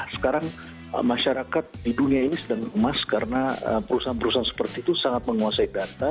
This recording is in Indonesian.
sekarang masyarakat di dunia ini sedang emas karena perusahaan perusahaan seperti itu sangat menguasai data